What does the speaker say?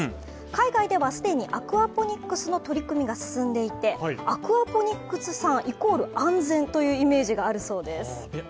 海外では既にアクアポニックスの取り組みが進んでいて、アクアポニックス産＝安全というイメージがあるそうです。